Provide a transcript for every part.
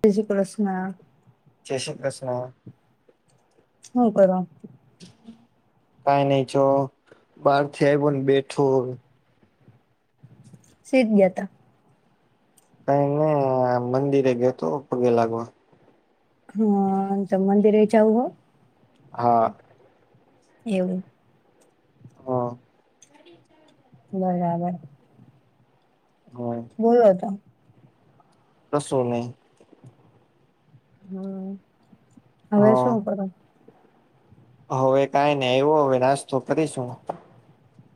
ત્રીજી પ્રશ્ન. જ શ્રી કૃષ્ણ. હુ કરો? કઈ નઈ છો. બહાર થી આવય બેઠું. શીધ ગયા હતા. કઈ નહીં. મંદિરે ગયો તો પગે લાગવા. હા! તો મંદિરે જા હું હો. હા! એવું? હા બરાબર. હા! બોલો તો. કસો નહી. હમ હવે શું હા કરો? હવે કઈ નહીં. એવો હવે નાસ્તો કરીશું.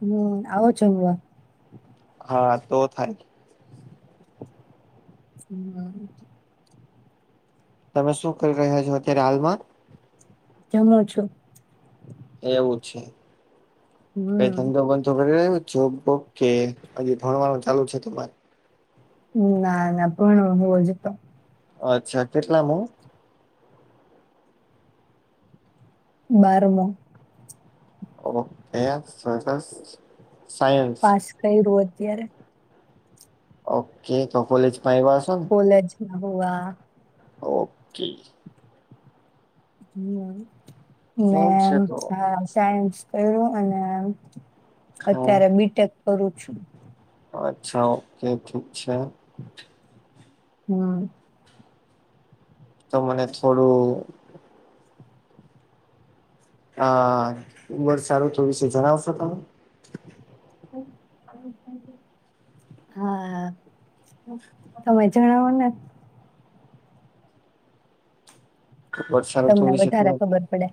હમ આવો જમવા. હા તો થાય. જમવા આવજો. તમે શું કરી રહ્યા છો અત્યારે હાલમાં? જમું છું. એવું છે. કઈ હમ ધંધો બ ઘ છ કે હ ભણ વાનુ ચાલુ છે તમારે? ના ના. ભણુ હુ હજી તો. અચ્છા. કેટલામ? બારમાં. ઓ હે સરશ. સાયન્સ. પાસ કર્યું અત્યારે. ઓકે તો કોલેજ આવીયા હસો. કોલેજ હુવા. ઓકે. હ મે એવું છે તો હા સાયન્સ કર્યું અને હા અત્યારે બીટેક કરું છું. અચ્છા ઓકે ઠીક છે. હમ. તો મને થોડુંક. હા ઉમર સારું થુંશે જણાવશો તમે. હ [unintelligible] હા તમે જણાવો ને. વર્ષાઋતુ તમને વિશે વધારે તમે ખબર પડે.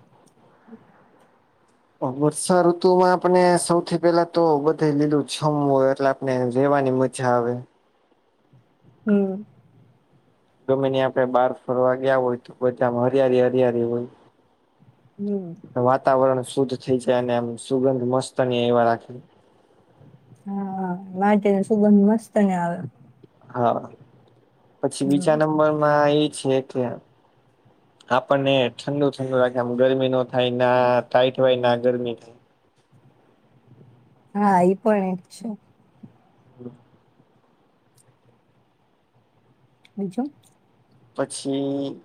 વર્ષાઋતુ માં આપણે સૌથી પેલા તો બધે લીલું જમવું એટલે ને જેવાની મજા આવે. હમ. ગમેી આપડે બહાર ફરવા ગયા હોય તો બધા હરિયારી હરિયારી હોય. હમ. વાતાવરણ શુદ્ધ થઈ જાય અને એમ સુગંધ મસ્તની એવા રાખે. હા માટે સુગંધ મસ્તને આવે. હા પછી હમ બીજા નંબર એ છે કે આપણને ઠંડુ ઠંડુ લાગેમ ગરમી નો થ ના ટાઈટ હોય ના ગરમી થાય હા એ પણ એ છે બ. બીજું. પછી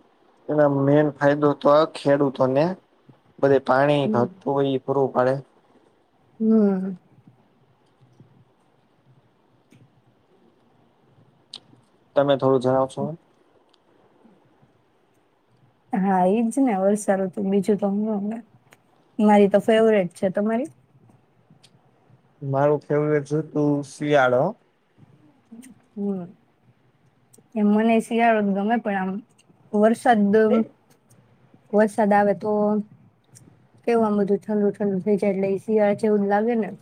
એનો મેન ફાયદો તો ખેડૂતોને. બધ પાણી હમ ખું હો એ ખોરું પાડે. હમ. તમે થોડું જણાવશો. હા એઈજ ને વર્સાાલું તું બીજું તોમને મારી તો ફેવરેટ છે તમારી. મારું ખેવ છે તું શિયાળો. હ એમ મને શિયાળો ગમે પણ આમ વર્ષ સદ દમ વરસાદ આવે તો. કે બધું ઠડ ઠંડ થઈ જાય એટલે એ શિયાળ જેવું લાગે ને.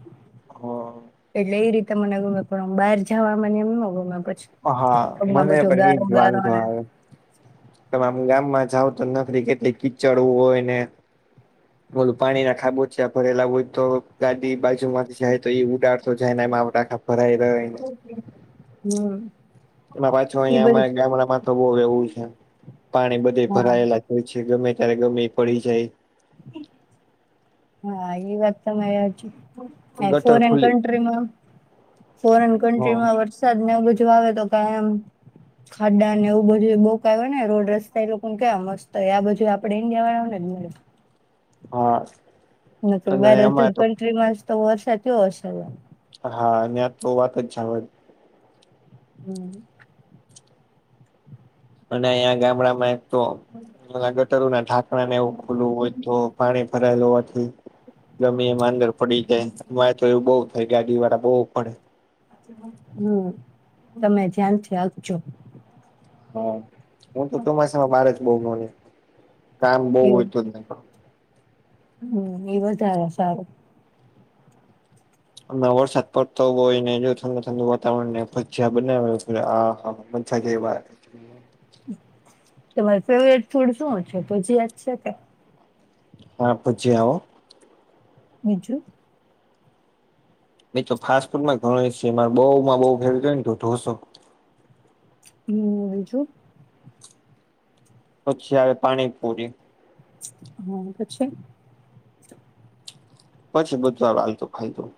હા. એટલે એ રીતે મને ગુમે પણ બહાર જવા મને એમ ગમે પછી. હા હમમાં મને બછો પણ ગારો ગારો અને. તમા આમ ગામમાં જાાવ તો નફરી કેટ કીચડવું હોયને. બોલું પાણી ના ખાબો્યા ભરેલા હોય તો ગાદી બા. માંથી જાય તો એ ઉદાડતો જાય ને એ માવ આખા ભરાઈ રહ. હમ. એમાં પાછો એ અહિયાયા બધું અમારા ગામડામાં તો બહ એવું છે પાણી બધે હા ભરાયેલા. હોય છે ગમે ત્યારે ગમે એ પડી જાય. હા એ વાત તો મ. ગટર ફોરેન ખુલ્લી કન્ટ્રીમાં ફોરેન હ કન્ટમાં વ. સરદને બુજવાવે તો ક એમ. ખાડા ને એવું બધી બોક આવે ને રોડ રસ્તા એ લોકોને કે્યાં મસ્ત હો આ બધી આપડ ઇન્ડિયા વાળાને જ મળે. હા. ન અને એમાં બરેધર તો કન્ટ્રી માં જ તો વરસાતીયો હશે. હા અને આ તો વાત જાવત. હમ. અને અહીંયા ગામડામાં એક તો ગટરું ના ઢાકણા ને એવું ખુલું હોય તો. પાણી ભરાયેલ હોવાથી ગમી એમાં અંદર પડી જાય અમારે તો એવું બઉ. ગાડી વાળા બહુ પડે. હમ તમે ધ્યાનથી આપજો. હા હું તો તમારીસામાં બાર જ બહ ન કામ બહ એવું હોયતું જ નહી. હમ એ વધારે સારું. હમ વરસાદ પડતો હોય ને જો ઠંડુ ઠડુ વાતાવરણ ભજીયા બનાવેા. થગવા. હમ. તમાર ફેવરટ ફૂડ શું છે તોજી યાદ છે કે. હા પુજી આવ. બીજું. મે તો ફાસ્ટ ફૂડ માં ગણ છે મા બઉુમાં બઉુ ફેવરે ને ઢોસો. હમ હજું. પછી આવે પાણી પૂરી. હા પછી. પછી બુધવાર વાલતું ખાયતું.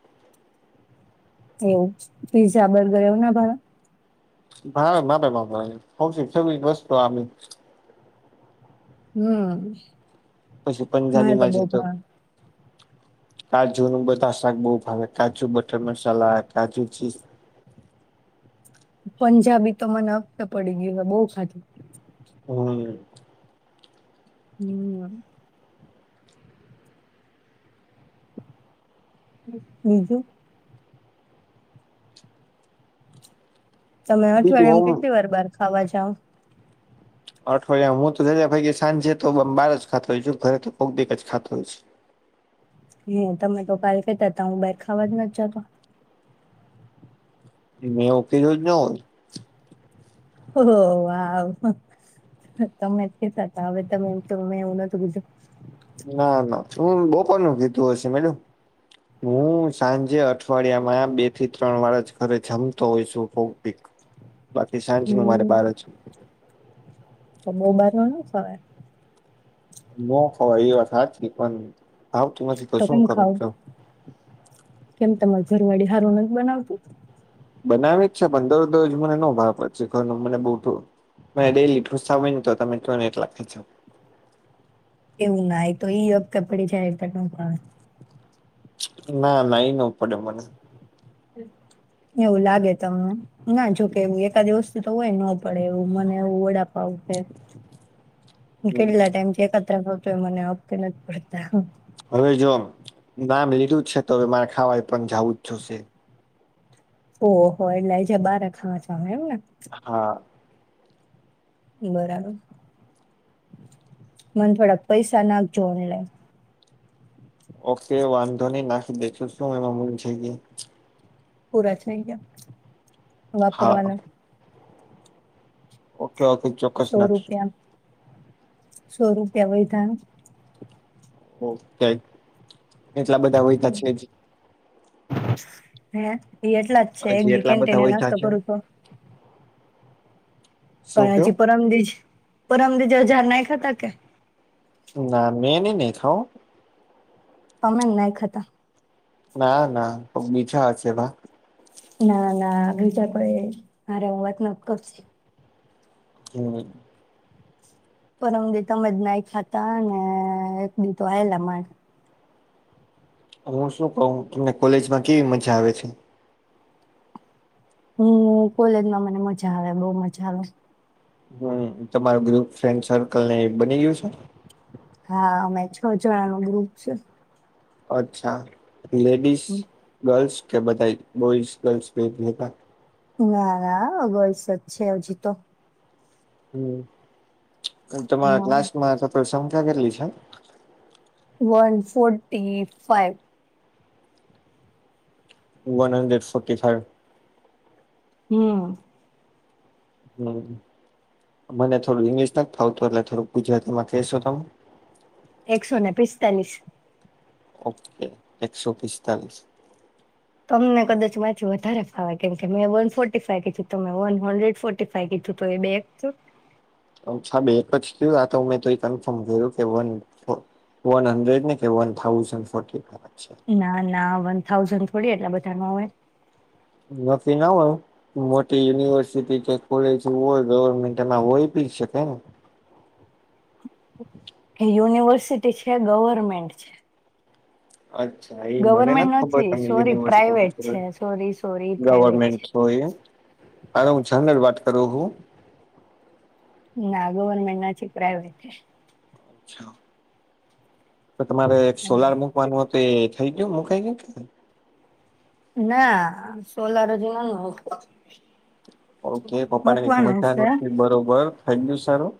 એવું પીઝા બર્ગર એવું ના ભ. ભ માપે માપે હોશ સ વસ્તુ આપ. હમ પછી પણ જાની માજીી તો. કાજુ નું બધા શાક બઉુ ભાવે કાજુ બટર મસાલા કાજુ ચી. પંજાબી તો મને હતે પડી ગયું બહ ખાધું. હમ. હમ. બીજું. તમે બીજું અઠવાડયિયા એમ ઓમ કેટલી વાર બાર ખાવા જાવ. અઠવાડિયા હું તો જ ભાઈ સાંજે તો બાર જ ખાતો હોય છ ઘરે તો બગ બે જ ખાતો હોય છે. હ તમે તો કા કતા હતા હું બાર ખાવા જ નથી જતો. મે ઉકેલો્યો જ ન હોય. હો. તમે કેતા હતા હવે તમે એમ તોમે એવું નતું ગજર. ના ના શું બોપર નું કીધું હશે મેડું. હું સાંજે અઠવાડિયામાં બે થી ત્રણ વાળા જ ઘરે જમતો હોઈશું ફગ. [inaudible] બાકી સાંજ નું મારે હમ્મ બાર જું. તો બબારવાનું સ. ન ફવાર એ વા પણ. ભાવતું નથી તો શું કેમ કરું ખાવ કયો કેમ તમાર ઘરવાળી સારું નથી બનાવતું. બનાવી જ છે પંદર દર જ મને નો ભાવ પ છે ઘરનું મને બહુ થું. ડેલી ઠુસા હોય ને તો તમે ક ને એટલાો. એવું નાય તો ગ કપડે જ ત. ના નાઈ ન પડે મને. એવું લાગે તમને. ના જોકે એવું એકાદિવસ થી તો હોય ન પડે એવું મને એવું વડાપાવું છે. હમ્મ. કેટલા ટાઈમથી ખાતતો મને આપ નથી પડતા. હવે જો નામ લીધું છે તો હવે મારે ખાવા પણ જવું જ જોશે. ઓહ હો એટલે જ બાર ખાવા છેમેને. હા. બરાબર મને થોડા પૈસા નાક જોડ લય. ઓકે વાંધો નહી નાખી દેો શું એમાં મૂન છે કે. પૂરા થઈ ગયા હા વાપરવાના. Okay okay. ચોક્કસ સો નાખશું રૂપિયા સો રૂપિયા વૈધાનું. ઓકે એટલા બધા હોયતા છે જ. હે એ એટલા જ છે એક હજી દી એટલા બધા કેન્ટને વયધા નાસ્તો છે કરું છો. શું પણ કયો હજી પરમદીીજ પરરમદીીજ હજાર ના ખાતા કે. ના મેં ન નહી ખાઓ. પમેલ નાઈક હતા. ના ના તો બીજા હશે ભ. ના ના બીજા કો મારે વાત ન કરશે. હમ. પરમ દ તમે જ ના ખાતા ને એક દી તો આવેલા માણ. હું શું કવ તમને કોલેજમાં કેવી મજા આવે છે. હમ કોલેજમાં મને મજા આવે બઉ મજા આવે. હમ તમાર ગ્રુપ ફ્રેન્ડ સર્કલ ને બની ગયું છે. હા અં છ જ નો ગ્રુપ છે. અચ્છા લેડીસ. હમ. ગર્લ્સ કે બધા બોઈસ ગર્લ્સ ભટ રહેતા. ના ના અગળસ જ છે હજી તો. હ તમારા હમ ક્લાસ્ટમાં શંકા કેટલી છે. One forty five. One hundred ફોકે થાય. હમ. હમ, મને થોડું ઈંગ્લિશ ના ફાવતું એટલે થોડું ગુજરાતી માં કહેશો તમે? એકસો ને પિસ્તાલીસ. ઓકે એકસો પિસ્તાલીસ. તમને કદાચ માંથીી વધારે ફાવે કેમ કે મેં વન ફોર્ટી ફાઈ કધું તમે વન હંડ્રેડ ફોર્. કીધું તો એ બે એકું. અચછા બે એક જ થયું આ તો મેં તો કન્ફર્મ કર્યું કે વન ફ વન હંડ્રેડ ને કે વન થાઉઝન્ડ ફોર્ છે. ના ના વન થાઉઝન્ડ થોડી એટલા બધામાં હોય. નથી ના હોયું. મોટી યુનિવર્સિટી કે કોલેજ હોય ગવર્મેન્ટ એમાં હોય બી શકે ને. યુનિવર્સિટી છે ગવર્મેન્ટ છે. અચ્છા એ મને ગવર્મેન્ટ ખબર ત નથી સોરી પ્રાઈવેટ યુનીવસીર્ટી છે સોરી સોરી પ્રાઈવેટ ગવમેન્ટ. છે. હોય, અરે હું જનર વાત કરું હું. ના ગવર્મેન્ટ ના ચીકરા હો છે. અચ્છા. તો તમારે એક સોલાર અને મૂકવાનું હો તો એ થઈ ગયું મુકાય ગય કે? ના સોલાર હ જ ના મુકાયું. ઓકે પપ્પા ને એક છે. મજા ન બરોબર થઈ ગયું સારું.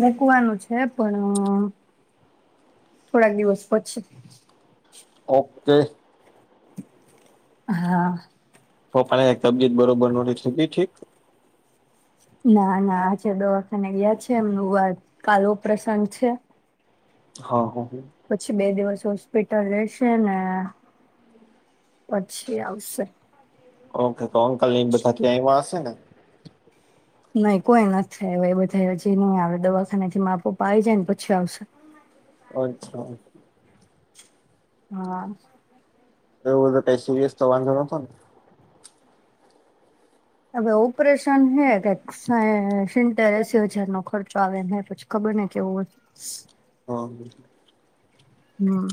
મકવાનું છે પણ થોડાક દિવસ પછી. ઓકે. હા. તો પણ તબિયત બરોબર નો થી ઠીક. ના ના આજે દવાખાને ગયા છે એમનુંત કાલ ઓ પ્રસંગ છે. હા હ. પછી બે દિવસ હોસ્પિટલ રહેેશે ને પછી આવશે. ઓકે તો અંકલ બધા થી આવવા હશે ને? નઈ કોઈ નથી હવે એ બધા જે નહી આવડે દવાખાના થી માપપ આવી જાય ને પછી આવશે. અચ્છા. હા. તો એવો બધો સીરીયસ તો વાંધ નોતો ને હવે ઓપરેશન હે કાય સીતેરશસી હજાર નો ખચ આવેને પછી ખબર નહ કેવું હો હ હા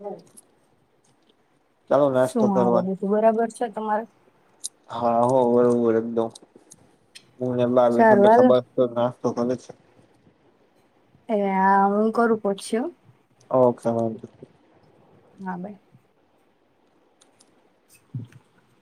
ઓ શું હારે કરવા બીજું બરાબર છે તમારે હા હો હો એકદમ [unintelligible] સારું હાલો ખબર તો નાશ તો કરે છે એ હા હું કરું પછી ઓકે વાંધો ની હા ભાઈ [inaudible]